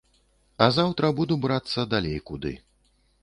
А заўтра буду брацца далей куды.